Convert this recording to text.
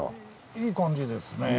いい感じですねぇ。